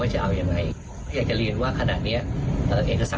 เมื่อกลับไปกรุงเทพฯอีกไม่กี่วันเนี่ยนะคะ